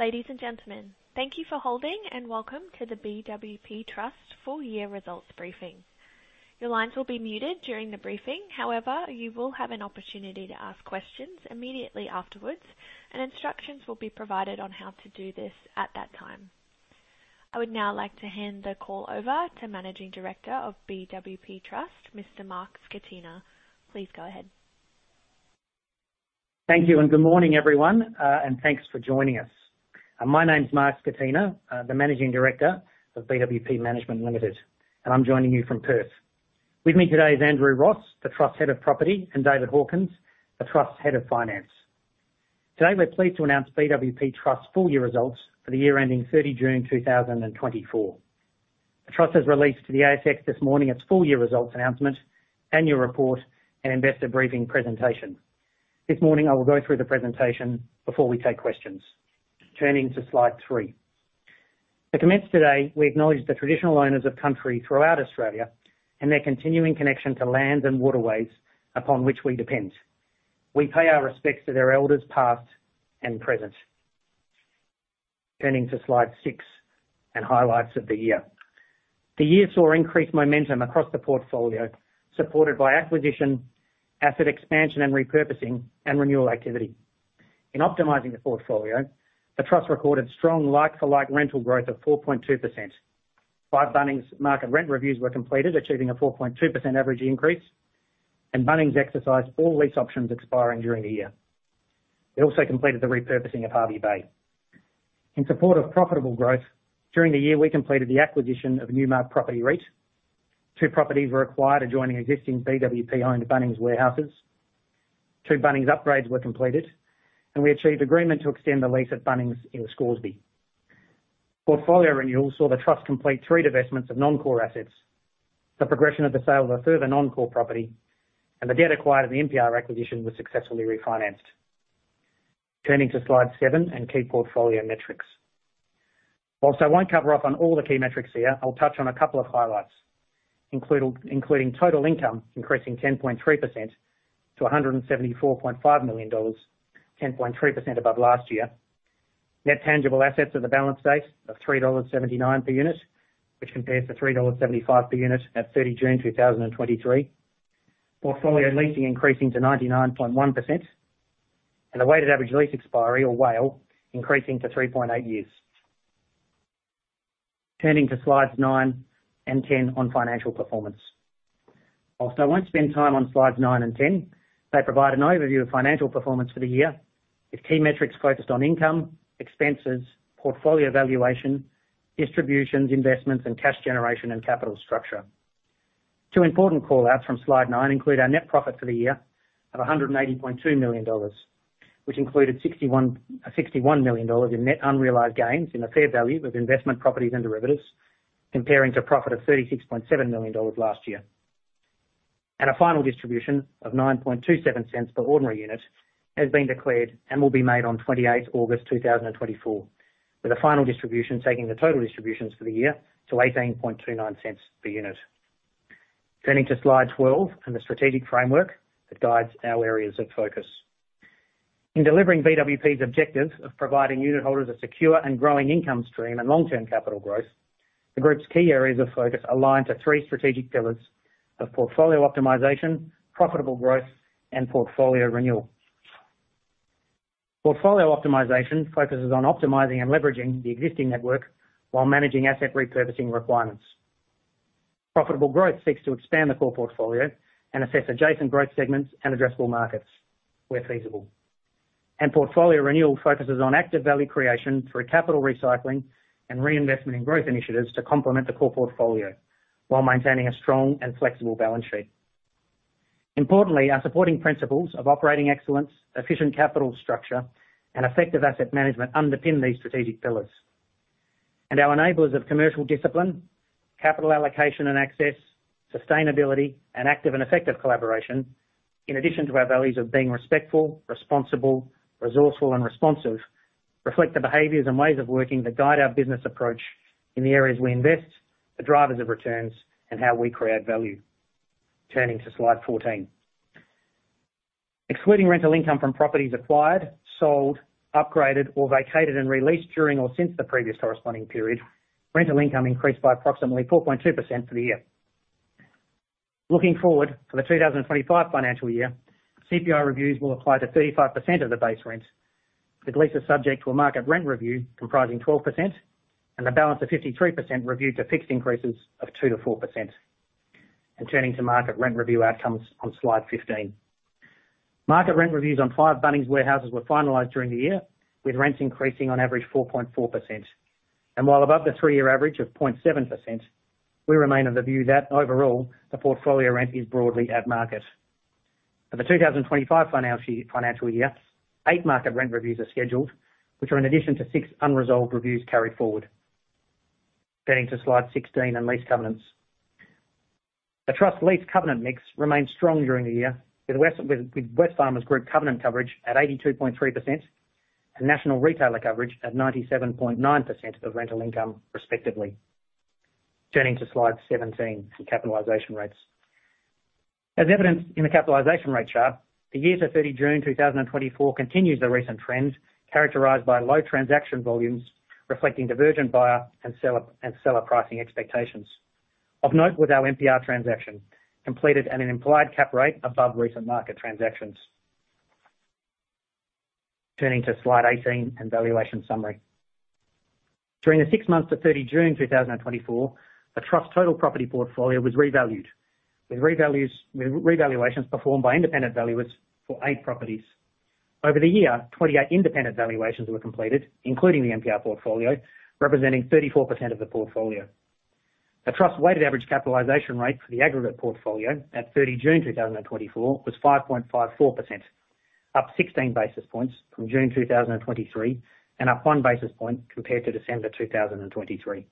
Ladies and gentlemen, thank you for holding, and welcome to the BWP Trust Full Year Results Briefing. Your lines will be muted during the briefing, however, you will have an opportunity to ask questions immediately afterwards, and instructions will be provided on how to do this at that time. I would now like to hand the call over to Managing Director of BWP Trust, Mr. Mark Scatena. Please go ahead. Thank you, and good morning, everyone, and thanks for joining us. My name's Mark Scatena, the Managing Director of BWP Management Limited, and I'm joining you from Perth. With me today is Andrew Ross, the Trust's Head of Property, and David Hawkins, the Trust's Head of Finance. Today, we're pleased to announce BWP Trust's full year results for the year ending 30 June 2024. The trust has released to the ASX this morning, its full year results announcement, annual report, and investor briefing presentation. This morning, I will go through the presentation before we take questions. Turning to slide three. To commence today, we acknowledge the traditional owners of country throughout Australia, and their continuing connection to lands and waterways upon which we depend. We pay our respects to their elders, past and present. Turning to slide six, and highlights of the year. The year saw increased momentum across the portfolio, supported by acquisition, asset expansion and repurposing, and renewal activity. In optimizing the portfolio, the trust recorded strong like-for-like rental growth of 4.2%. Five Bunnings market rent reviews were completed, achieving a 4.2% average increase, and Bunnings exercised all lease options expiring during the year. It also completed the repurposing of Hervey Bay. In support of profitable growth, during the year, we completed the acquisition of Newmark Property REIT. two properties were acquired, adjoining existing BWP-owned Bunnings warehouses. Two Bunnings upgrades were completed, and we achieved agreement to extend the lease at Bunnings in Scoresby. Portfolio renewal saw the trust complete three divestments of non-core assets, the progression of the sale of a further non-core property, and the debt acquired in the NPR acquisition was successfully refinanced. Turning to slide seven, and key portfolio metrics. Whilst I won't cover off on all the key metrics here, I'll touch on a couple of highlights, including total income increasing 10.3% to 174.5 million dollars, 10.3% above last year. Net Tangible Assets at the balance date of 3.79 dollars per unit, which compares to 3.75 dollars per unit at 30 June 2023. Portfolio leasing increasing to 99.1%, and the Weighted Average Lease Expiry, or WALE, increasing to 3.8 years. Turning to slides nine and 10 on financial performance. Whilst I won't spend time on slides nine and 10, they provide an overview of financial performance for the year, with key metrics focused on income, expenses, portfolio valuation, distributions, investments, and cash generation, and capital structure. Two important callouts from Slide nine include: our net profit for the year of 180.2 million dollars, which included 61 million dollars in net unrealized gains in the fair value of investment properties and derivatives, comparing to a profit of 36.7 million dollars last year. A final distribution of 9.27 per ordinary unit has been declared and will be made on 28th August 2024, with a final distribution, taking the total distributions for the year to 18.29 per unit. Turning to Slide 12, the strategic framework that guides our areas of focus. In delivering BWP's objectives of providing unit holders a secure and growing income stream and long-term capital growth, the group's key areas of focus align to three strategic pillars of portfolio optimization, profitable growth, and portfolio renewal. Portfolio optimization focuses on optimizing and leveraging the existing network while managing asset repurposing requirements. Profitable growth seeks to expand the core portfolio and assess adjacent growth segments and addressable markets where feasible. Portfolio renewal focuses on active value creation through capital recycling and reinvestment in growth initiatives to complement the core portfolio while maintaining a strong and flexible balance sheet. Importantly, our supporting principles of operating excellence, efficient capital structure, and effective asset management underpin these strategic pillars. Our enablers of commercial discipline, capital allocation and access, sustainability, and active and effective collaboration, in addition to our values of being respectful, responsible, resourceful, and responsive, reflect the behaviors and ways of working that guide our business approach in the areas we invest, the drivers of returns, and how we create value. Turning to Slide 14. Excluding rental income from properties acquired, sold, upgraded, or vacated and released during or since the previous corresponding period, rental income increased by approximately 4.2% for the year. Looking forward, for the 2025 financial year, CPI reviews will apply to 35% of the base rents, with leases subject to a market rent review comprising 12%, and a balance of 53% reviewed to fixed increases of 2%-4%. Turning to market rent review outcomes on Slide 15. Market rent reviews on five Bunnings warehouses were finalized during the year, with rents increasing on average 4.4%. While above the three-year average of 0.7%, we remain of the view that overall, the portfolio rent is broadly at market. For the 2025 financial year, eight market rent reviews are scheduled, which are in addition to six unresolved reviews carried forward. Getting to Slide 16, and lease covenants. The trust lease covenant mix remained strong during the year, with Wesfarmers Group covenant coverage at 82.3% and national retailer coverage at 97.9% of rental income, respectively. Turning to Slide 17, and capitalization rates. As evidenced in the capitalization rate chart, the year to 30 June 2024 continues the recent trends characterized by low transaction volumes, reflecting divergent buyer and seller, and seller pricing expectations. Of note with our NPR transaction, completed at an implied cap rate above recent market transactions. Turning to slide 18, and valuation summary. During the six months to 30 June 2024, the Trust's total property portfolio was revalued, with revaluations performed by independent valuers for eight properties. Over the year, 28 independent valuations were completed, including the NPR portfolio, representing 34% of the portfolio. The Trust's weighted average capitalization rate for the aggregate portfolio at 30 June 2024 was 5.54%, up 16 basis points from June 2023, and up 1 basis point compared to December 2023.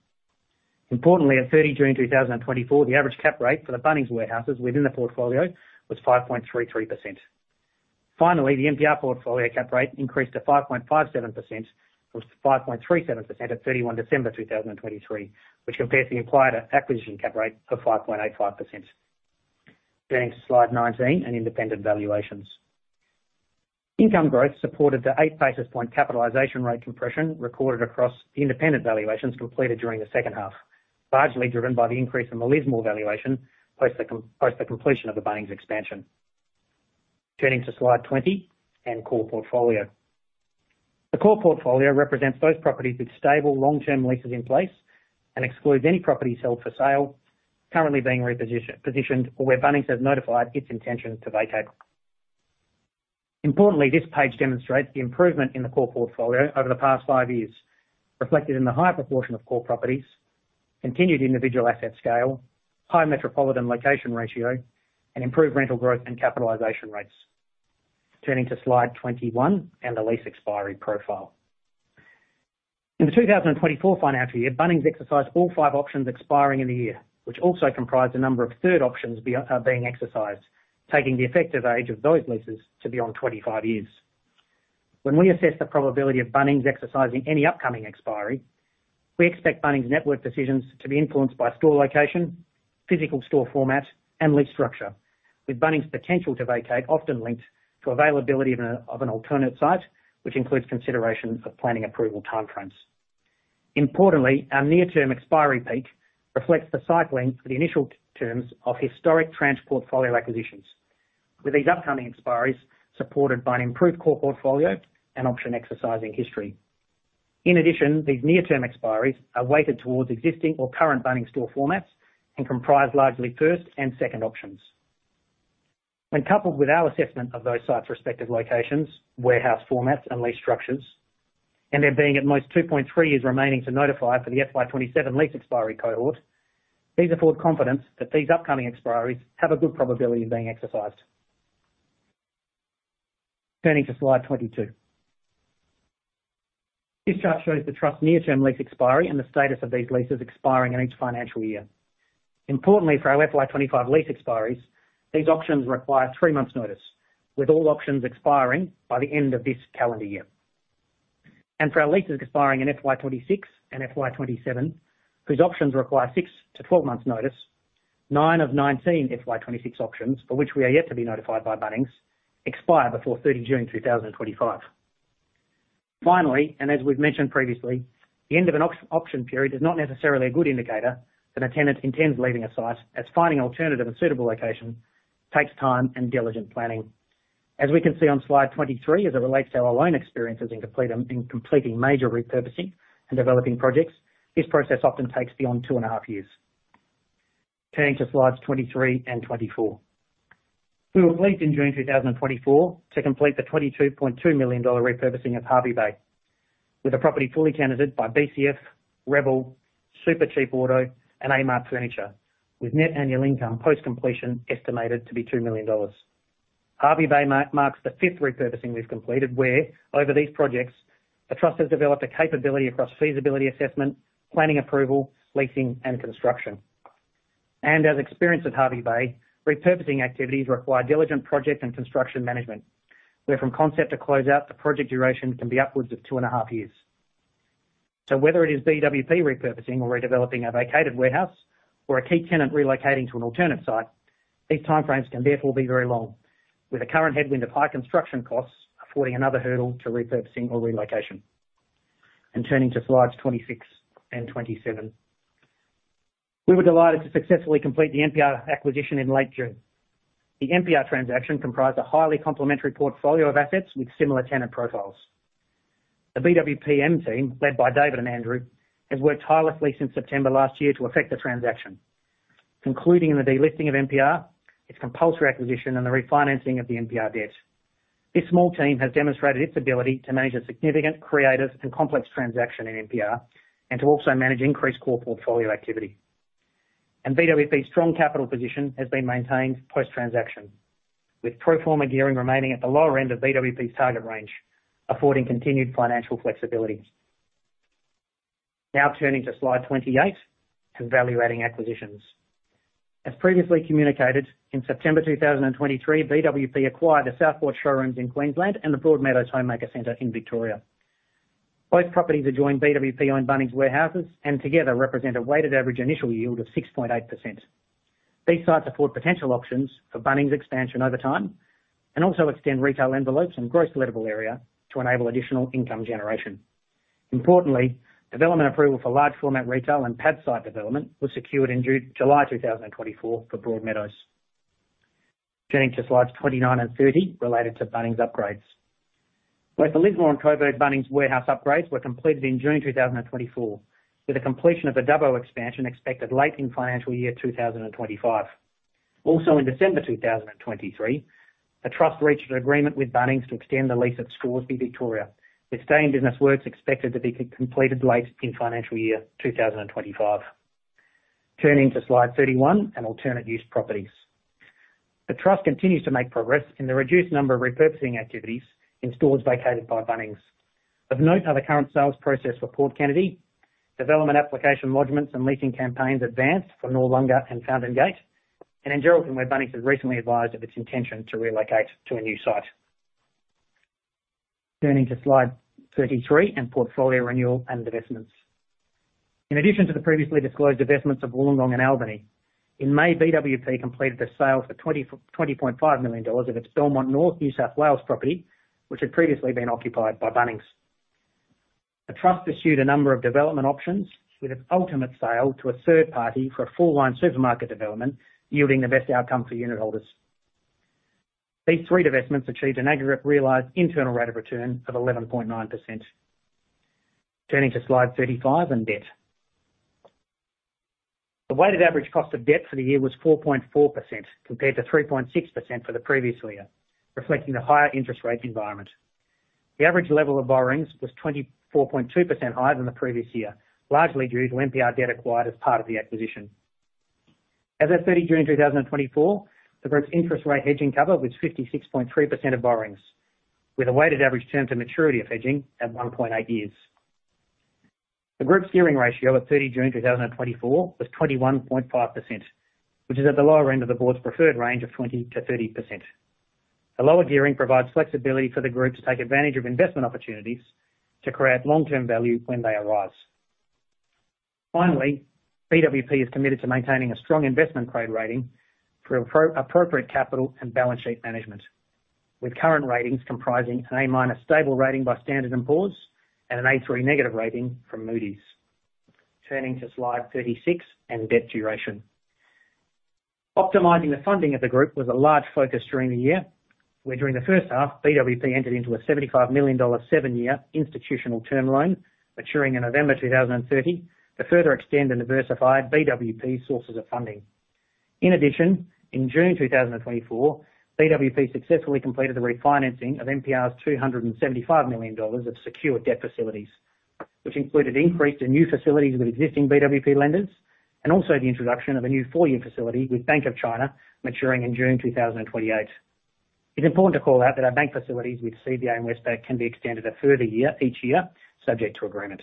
Importantly, at 30 June 2024, the average cap rate for the Bunnings warehouses within the portfolio was 5.33%. Finally, the NPR portfolio cap rate increased to 5.57% from 5.37% at 31 December 2023, which compares the implied acquisition cap rate of 5.85%. Turning to Slide 19 and independent valuations. Income growth supported the eight basis point capitalization rate compression recorded across the independent valuations completed during the second half, largely driven by the increase in Lismore valuation post the completion of the Bunnings expansion. Turning to Slide 20 and core portfolio. The core portfolio represents those properties with stable long-term leases in place and excludes any property sold for sale, currently being repositioned, or where Bunnings has notified its intention to vacate. Importantly, this page demonstrates the improvement in the core portfolio over the past five years, reflected in the higher proportion of core properties, continued individual asset scale, high metropolitan location ratio, and improved rental growth and capitalization rates. Turning to Slide 21 and the lease expiry profile. In the 2024 financial year, Bunnings exercised all five options expiring in the year, which also comprised a number of third options being exercised, taking the effective age of those leases to beyond 25 years. When we assess the probability of Bunnings exercising any upcoming expiry, we expect Bunnings' network decisions to be influenced by store location, physical store format, and lease structure, with Bunnings' potential to vacate often linked to availability of an alternate site, which includes consideration of planning approval timeframes. Importantly, our near-term expiry peak reflects the cycle length for the initial terms of historic transfer portfolio acquisitions. With these upcoming expiries supported by an improved core portfolio and option exercising history. In addition, these near-term expiries are weighted towards existing or current Bunnings store formats and comprise largely first and second options. When coupled with our assessment of those sites' respective locations, warehouse formats, and lease structures, and there being at most 2.3 years remaining to notify for the FY 2027 lease expiry cohort, these afford confidence that these upcoming expiries have a good probability of being exercised. Turning to Slide 22. This chart shows the Trust's near-term lease expiry and the status of these leases expiring in each financial year. Importantly, for our FY 2025 lease expiries, these options require three months' notice, with all options expiring by the end of this calendar year. For our leases expiring in FY 2026 and FY 2027, whose options require 6-12 months' notice, nine of 19 FY 2026 options, for which we are yet to be notified by Bunnings, expire before 30 June 2025. Finally, and as we've mentioned previously, the end of an option period is not necessarily a good indicator that a tenant intends leaving a site, as finding alternative and suitable location takes time and diligent planning. As we can see on Slide 23, as it relates to our own experiences in completing major repurposing and developing projects, this process often takes beyond 2.5 years. Turning to Slides 23 and 24. We were pleased in June 2024 to complete the 22.2 million dollar repurposing of Hervey Bay, with the property fully tenanted by BCF, Rebel, Supercheap Auto, and Amart Furniture, with net annual income post-completion estimated to be 2 million dollars. Hervey Bay marks the fivith repurposing we've completed, where, over these projects, the Trust has developed a capability across feasibility assessment, planning approval, leasing, and construction. As experienced at Hervey Bay, repurposing activities require diligent project and construction management, where from concept to closeout, the project duration can be upwards of 2.5 years. So whether it is BWP repurposing or redeveloping a vacated warehouse or a key tenant relocating to an alternate site, these timeframes can therefore be very long, with a current headwind of high construction costs affording another hurdle to repurposing or relocation. Turning to slides 26 and 27. We were delighted to successfully complete the NPR acquisition in late June. The NPR transaction comprised a highly complementary portfolio of assets with similar tenant profiles. The BWPM team, led by David and Andrew, has worked tirelessly since September last year to effect the transaction, concluding in the delisting of NPR, its compulsory acquisition, and the refinancing of the NPR debt. This small team has demonstrated its ability to manage a significant, creative, and complex transaction in NPR and to also manage increased core portfolio activity. BWP's strong capital position has been maintained post-transaction, with pro forma gearing remaining at the lower end of BWP's target range, affording continued financial flexibility. Now turning to Slide 28 and value-adding acquisitions. As previously communicated, in September 2023, BWP acquired the Southport Showrooms in Queensland and the Broadmeadows Homemaker Centre in Victoria. Both properties adjoin BWP-owned Bunnings warehouses, and together represent a weighted average initial yield of 6.8%. These sites afford potential options for Bunnings' expansion over time, and also extend retail envelopes and gross lettable area to enable additional income generation. Importantly, development approval for large format retail and pad site development was secured in July 2024 for Broadmeadows. Turning to slides 29 and 30 related to Bunnings upgrades. Both the Lismore and Coburg Bunnings Warehouse upgrades were completed in June 2024, with a completion of the Dubbo expansion expected late in financial year 2025. Also, in December 2023, the Trust reached an agreement with Bunnings to extend the lease at Scoresby, Victoria, with stay-in-business works expected to be completed late in financial year 2025. Turning to slide 31 and alternate use properties. The Trust continues to make progress in the reduced number of repurposing activities in stores vacated by Bunnings. Of note, are the current sales process for Port Kennedy, development application lodgements and leasing campaigns advanced for Noarlunga and Fountain Gate, and in Geraldton, where Bunnings has recently advised of its intention to relocate to a new site. Turning to Slide 33 and portfolio renewal and divestments. In addition to the previously disclosed divestments of Wollongong and Albany, in May, BWP completed the sale for 20.5 million dollars of its Belmont North, New South Wales property, which had previously been occupied by Bunnings. The Trust pursued a number of development options with an ultimate sale to a third party for a full line supermarket development, yielding the best outcome for unit holders. These three divestments achieved an aggregate realized internal rate of return of 11.9%. Turning to Slide 35 on debt. The weighted average cost of debt for the year was 4.4%, compared to 3.6% for the previous year, reflecting the higher interest rate environment. The average level of borrowings was 24.2% higher than the previous year, largely due to NPR debt acquired as part of the acquisition. As of 30 June 2024, the group's interest rate hedging cover was 56.3% of borrowings, with a weighted average term to maturity of hedging at 1.8 years. The group's gearing ratio at 30 June 2024 was 21.5%, which is at the lower end of the board's preferred range of 20%-30%. The lower gearing provides flexibility for the group to take advantage of investment opportunities to create long-term value when they arise. Finally, BWP is committed to maintaining a strong investment grade rating for appropriate capital and balance sheet management, with current ratings comprising an A- stable rating by Standard & Poor's and an A3 negative rating from Moody's. Turning to Slide 36 and debt duration. Optimizing the funding of the group was a large focus during the year, where during the first half, BWP entered into a 75 million dollar, seven-year institutional term loan, maturing in November 2030, to further extend and diversify BWP's sources of funding. In addition, in June 2024, BWP successfully completed the refinancing of NPR's 275 million dollars of secured debt facilities, which included increase in new facilities with existing BWP lenders and also the introduction of a new four-year facility with Bank of China, maturing in June 2028. It's important to call out that our bank facilities with CBA and Westpac can be extended a further year, each year, subject to agreement.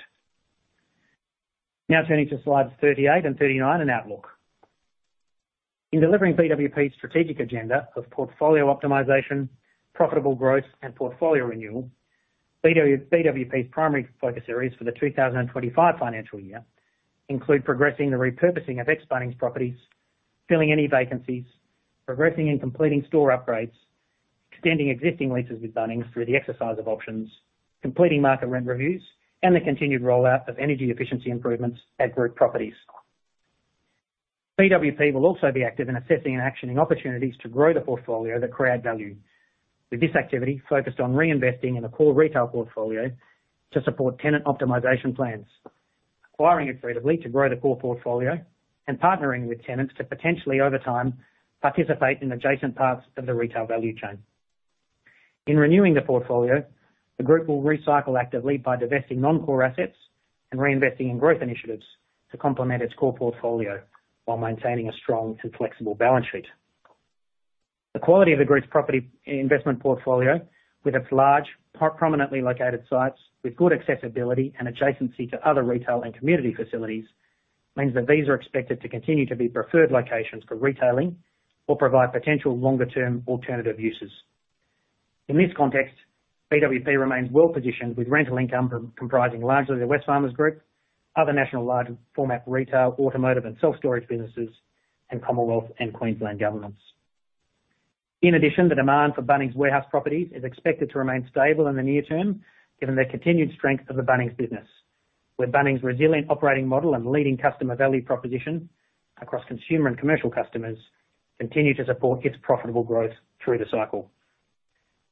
Now turning to slides 38 and 39 on outlook. In delivering BWP's strategic agenda of portfolio optimization, profitable growth, and portfolio renewal, BWP's primary focus areas for the 2025 financial year include progressing the repurposing of ex-Bunnings properties, filling any vacancies, progressing and completing store upgrades, extending existing leases with Bunnings through the exercise of options, completing market rent reviews, and the continued rollout of energy efficiency improvements at group properties. BWP will also be active in assessing and actioning opportunities to grow the portfolio that create value, with this activity focused on reinvesting in a core retail portfolio to support tenant optimization plans, acquiring accretively to grow the core portfolio and partnering with tenants to potentially, over time, participate in adjacent parts of the retail value chain. In renewing the portfolio, the group will recycle actively by divesting non-core assets and reinvesting in growth initiatives to complement its core portfolio while maintaining a strong to flexible balance sheet. The quality of the group's property investment portfolio, with its large prominently located sites with good accessibility and adjacency to other retail and community facilities, means that these are expected to continue to be preferred locations for retailing or provide potential longer term alternative uses. In this context, BWP remains well-positioned with rental income comprising largely the Wesfarmers Group, other national large format retail, automotive, and self-storage businesses, and Commonwealth and Queensland governments. In addition, the demand for Bunnings warehouse properties is expected to remain stable in the near term, given the continued strength of the Bunnings business, with Bunnings' resilient operating model and leading customer value proposition across consumer and commercial customers continue to support its profitable growth through the cycle.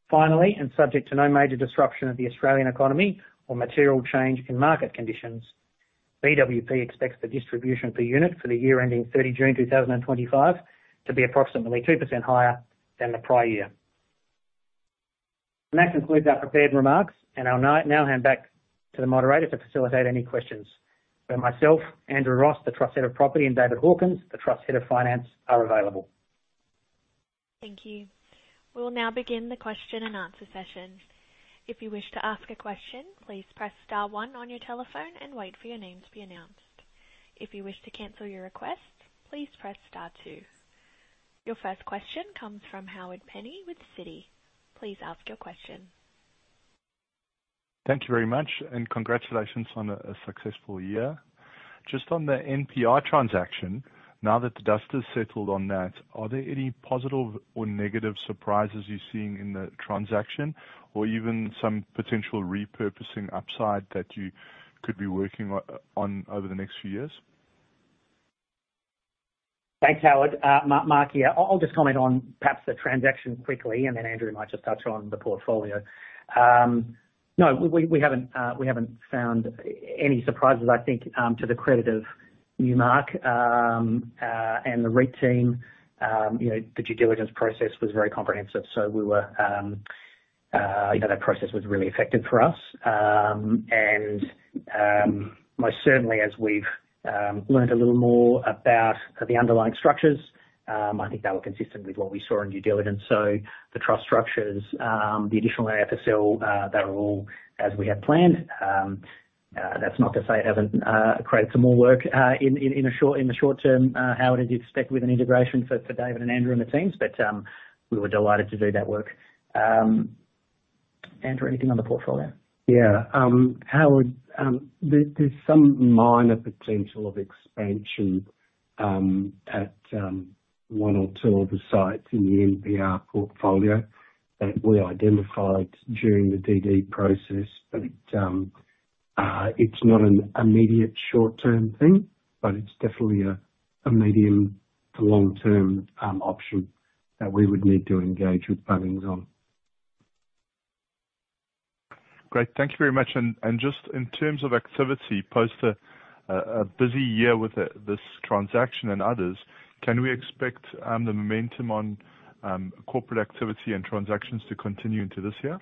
Finally, and subject to no major disruption of the Australian economy or material change in market conditions, BWP expects the distribution per unit for the year ending 30 June 2025 to be approximately 2% higher than the prior year. That concludes our prepared remarks, and I'll now hand back to the moderator to facilitate any questions. Where myself, Andrew Ross, the Trust Head of Property, and David Hawkins, the Trust Head of Finance, are available. Thank you. We will now begin the question and answer session. If you wish to ask a question, please press star one on your telephone and wait for your name to be announced. If you wish to cancel your request, please press star two. Your first question comes from Howard Penny with Citi. Please ask your question. Thank you very much, and congratulations on a successful year. Just on the NPR transaction, now that the dust is settled on that, are there any positive or negative surprises you're seeing in the transaction, or even some potential repurposing upside that you could be working on over the next few years? Thanks, Howard. Mark here. I'll just comment on perhaps the transaction quickly, and then Andrew might just touch on the portfolio. No, we haven't found any surprises. I think, to the credit of Newmark, and the REIT team, you know, the due diligence process was very comprehensive, so we were, you know, that process was really effective for us. And, most certainly as we've learned a little more about the underlying structures, I think they were consistent with what we saw in due diligence. So the trust structures, the additional area to sell, that were all as we had planned. That's not to say it hasn't created some more work in the short term how it is to stick with an integration for David and Andrew and the teams, but we were delighted to do that work. Andrew, anything on the portfolio? Yeah. Howard, there's some minor potential of expansion at one or two of the sites in the NPR portfolio that we identified during the DD process. But, it's not an immediate short-term thing, but it's definitely a medium to long-term option that we would need to engage with Bunnings. Great. Thank you very much. And just in terms of activity, post a busy year with this transaction and others, can we expect the momentum on corporate activity and transactions to continue into this year?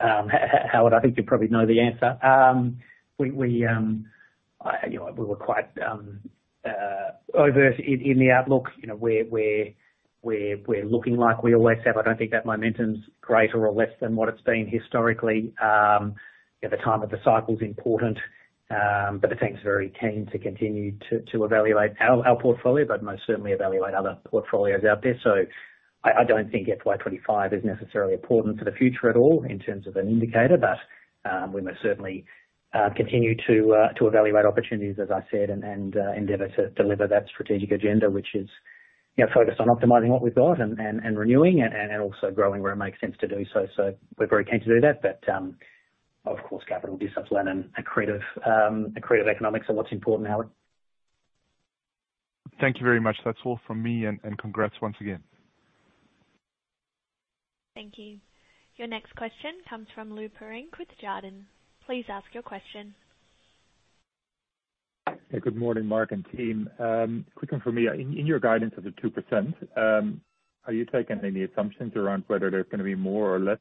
Howard, I think you probably know the answer. We were quite overt in the outlook. You know, we're looking like we always have. I don't think that momentum's greater or less than what it's been historically. You know, the time of the cycle is important, but the team's very keen to continue to evaluate our portfolio, but most certainly evaluate other portfolios out there. So I don't think FY 2025 is necessarily important for the future at all in terms of an indicator. But, we most certainly continue to evaluate opportunities, as I said, and endeavor to deliver that strategic agenda, which is, you know, focused on optimizing what we've got and renewing and also growing where it makes sense to do so. So we're very keen to do that, but, of course, capital discipline and accretive economics are what's important, Howard. Thank you very much. That's all from me, and congrats once again. Thank you. Your next question comes from Lou Pirenc with Jarden. Please ask your question. Hey, good morning, Mark and team. Quick one for me. In your guidance of the 2%, are you taking any assumptions around whether there's gonna be more or less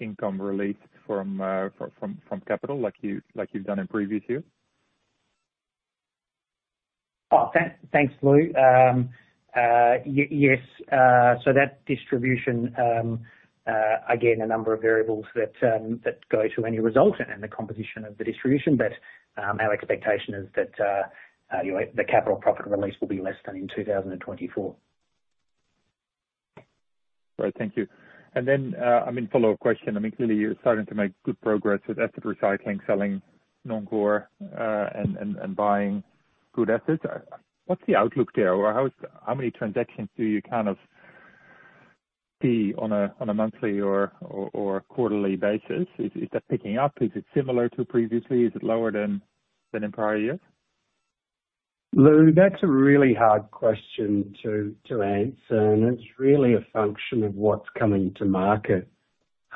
income released from capital, like you've done in previous years? Oh, thanks. Thanks, Lou. Yes. So that distribution, again, a number of variables that that go to any result and the composition of the distribution, but our expectation is that, you know, the capital profit release will be less than in 2024. Great, thank you. Then, I mean, follow-up question: I mean, clearly you're starting to make good progress with asset recycling, selling non-core and buying good assets. What's the outlook there? Or how many transactions do you kind of see on a monthly or quarterly basis? Is that picking up? Is it similar to previously? Is it lower than in prior years? Lou, that's a really hard question to answer, and it's really a function of what's coming to market.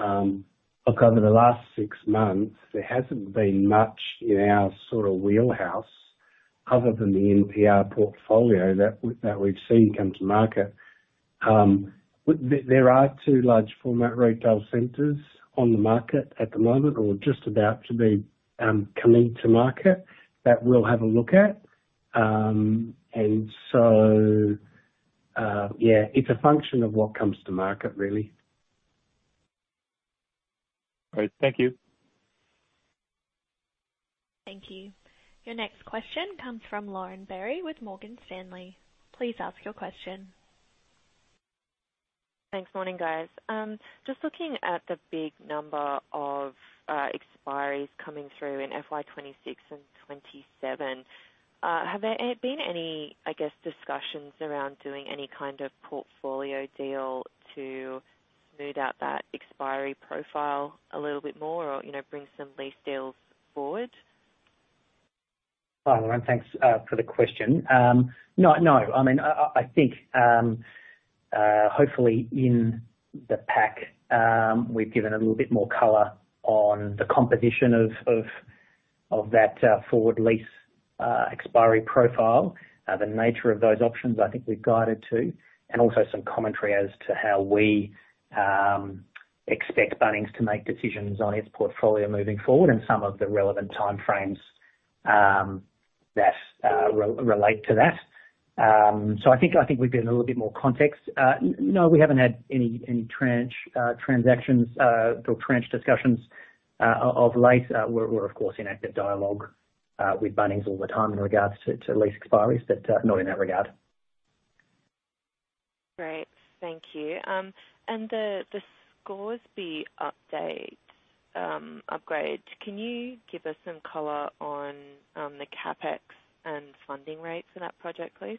Look, over the last six months, there hasn't been much in our sort of wheelhouse other than the NPR portfolio that we've seen come to market. There are two large format retail centers on the market at the moment, or just about to be coming to market that we'll have a look at. And so, yeah, it's a function of what comes to market, really. Great. Thank you. Thank you. Your next question comes from Lauren Berry with Morgan Stanley. Please ask your question. Thanks. Morning, guys. Just looking at the big number of expiries coming through in FY 2026 and 2027, have there been any, I guess, discussions around doing any kind of portfolio deal to smooth out that expiry profile a little bit more or, you know, bring some lease deals forward? Hi, Lauren. Thanks for the question. No, no, I mean, I think hopefully in the pack we've given a little bit more color on the composition of that forward lease expiry profile. The nature of those options, I think we've guided to, and also some commentary as to how we expect Bunnings to make decisions on its portfolio moving forward and some of the relevant timeframes that relate to that. So I think we've given a little bit more context. No, we haven't had any tranche transactions or tranche discussions of late. We're of course in active dialogue with Bunnings all the time in regards to lease expiries, but not in that regard. Great. Thank you. And the Scoresby update, upgrade, can you give us some color on the CapEx and funding rates for that project, please?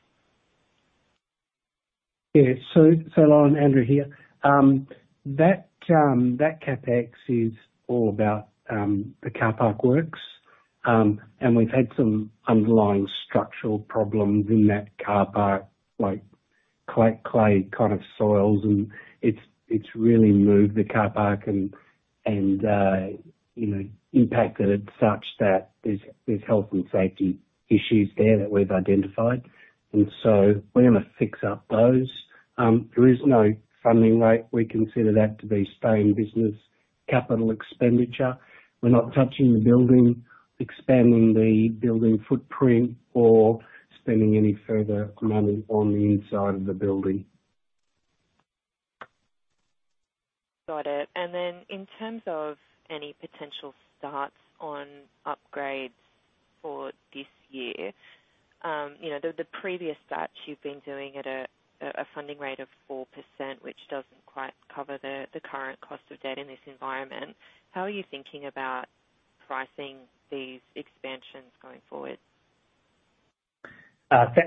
Yeah. So, Lauren, Andrew here. That CapEx is all about the car park works. And we've had some underlying structural problems in that car park, like clay, clay kind of soils, and it's really moved the car park and, you know, impacted it such that there's health and safety issues there that we've identified, and so we're gonna fix up those. There is no funding rate. We consider that to be staying business capital expenditure. We're not touching the building, expanding the building footprint, or spending any further money on the inside of the building. Got it. In terms of any potential starts on upgrades for this year, you know, the previous starts you've been doing at a funding rate of 4%, which doesn't quite cover the current cost of debt in this environment. How are you thinking about pricing these expansions going forward?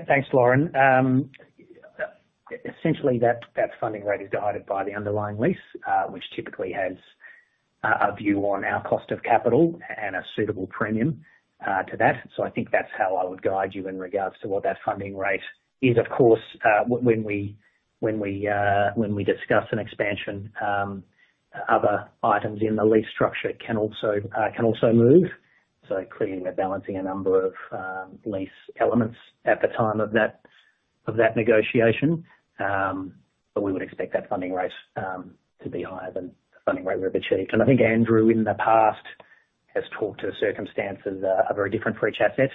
Thanks, Lauren. Essentially, that funding rate is guided by the underlying lease, which typically has a view on our cost of capital and a suitable premium to that. So I think that's how I would guide you in regards to what that funding rate is. Of course, when we discuss an expansion, other items in the lease structure can also move. So clearly we're balancing a number of lease elements at the time of that negotiation. But we would expect that funding rate to be higher than the funding rate we've achieved. And I think Andrew, in the past, has talked to circumstances that are very different for each asset.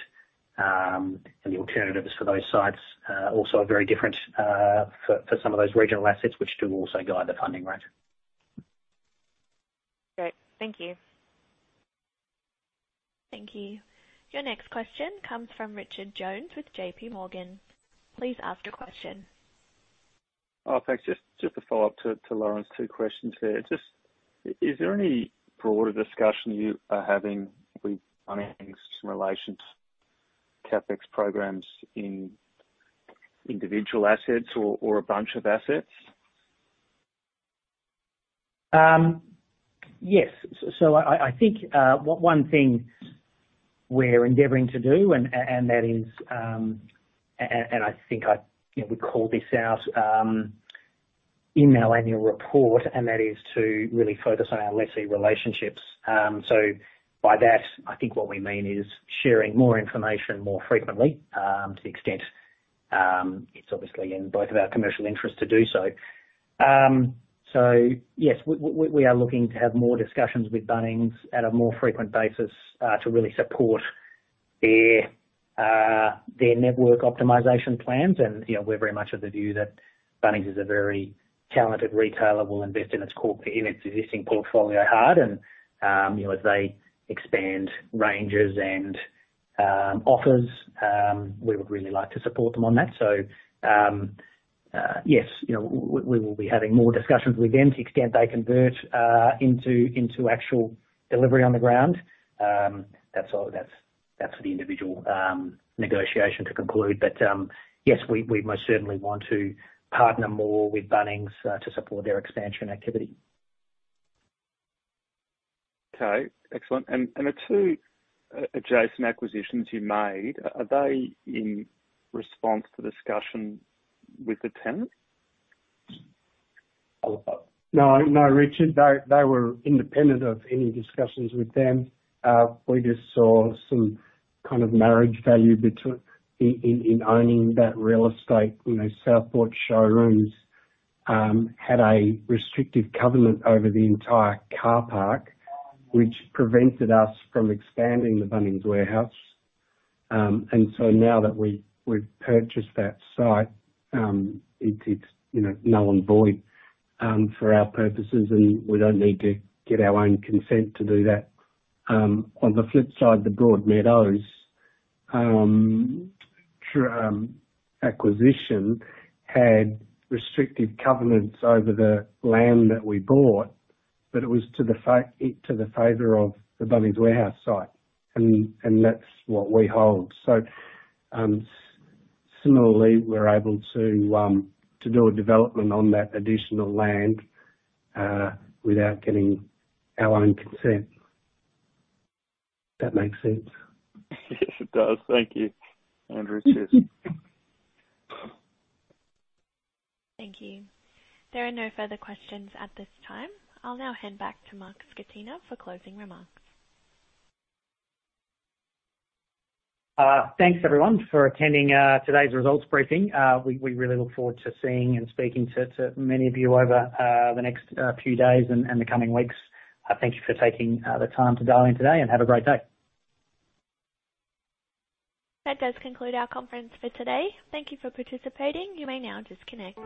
The alternatives for those sites also are very different for some of those regional assets, which do also guide the funding rate. Great. Thank you. Thank you. Your next question comes from Richard Jones with JPMorgan. Please ask your question. Oh, thanks. Just a follow-up to Lauren's two questions there. Just, is there any broader discussion you are having with Bunnings in relation to CapEx programs in individual assets or a bunch of assets? Yes. So I think one thing we're endeavoring to do, and that is, and I think, you know, we called this out in our annual report, and that is to really focus on our lessee relationships. So by that, I think what we mean is sharing more information, more frequently, to the extent it's obviously in both of our commercial interests to do so. So yes, we are looking to have more discussions with Bunnings at a more frequent basis, to really support their network optimization plans. And, you know, we're very much of the view that Bunnings is a very talented retailer, will invest in its core, in its existing portfolio hard, and, you know, as they expand ranges and offers, we would really like to support them on that. So, yes, you know, we will be having more discussions with them to the extent they convert into actual delivery on the ground. That's all, that's for the individual negotiation to conclude. But, yes, we most certainly want to partner more with Bunnings to support their expansion activity. Okay, excellent. And the two adjacent acquisitions you made, are they in response to discussion with the tenant? No, no, Richard. They, they were independent of any discussions with them. We just saw some kind of marriage value between in owning that real estate. You know, Southport Showrooms had a restrictive covenant over the entire car park, which prevented us from expanding the Bunnings Warehouse. And so now that we, we've purchased that site, it's, it's, you know, null and void for our purposes, and we don't need to get our own consent to do that. On the flip side, the Broadmeadows acquisition had restrictive covenants over the land that we bought, but it was to the favor of the Bunnings Warehouse site, and that's what we hold. So, similarly, we're able to do a development on that additional land without getting our own consent. If that makes sense. Yes, it does. Thank you. Andrew. Cheers. Thank you. There are no further questions at this time. I'll now hand back to Mark Scatena for closing remarks. Thanks, everyone, for attending today's results briefing. We really look forward to seeing and speaking to many of you over the next few days and the coming weeks. Thank you for taking the time to dial in today, and have a great day. That does conclude our conference for today. Thank you for participating. You may now disconnect.